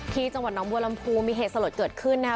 ถี่จังหวัดน้องบุวรรมภูมีเหตุสะลดเกิดขึ้นนะฮะ